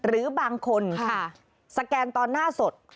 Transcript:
หรือบางคนสแกนตอนหน้าสด